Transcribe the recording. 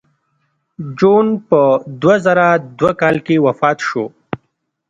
جون په دوه زره دوه کال کې وفات شو